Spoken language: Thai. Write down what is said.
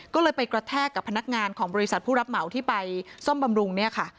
ก็เลยไปกระแทกกับพนักงานของบริษัทผู้รับเหมาที่ไปซ่อมบำรุงเนี่ยค่ะ